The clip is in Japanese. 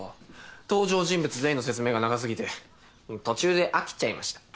登場人物全員の説明が長過ぎて途中で飽きちゃいました。